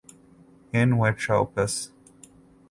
In which opus?